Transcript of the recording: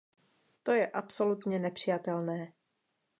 To je absolutně nepřijatelné.